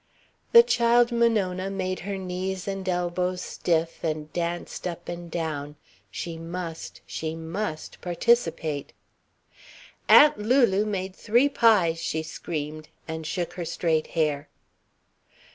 The child Monona made her knees and elbows stiff and danced up and down. She must, she must participate. "Aunt Lulu made three pies!" she screamed, and shook her straight hair.